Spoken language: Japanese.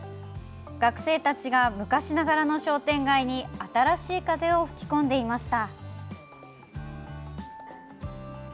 学生たちが、昔ながらの商店街に新しい風を吹き込んでいました。